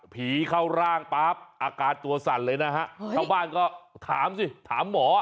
ผีเข้าร่างปั๊บอาการตัวสั่นเลยนะฮะชาวบ้านก็ถามสิถามหมอ